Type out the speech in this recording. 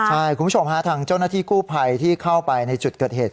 ใช่คุณผู้ชมฮะทางเจ้าหน้าที่กู้ภัยที่เข้าไปในจุดเกิดเหตุ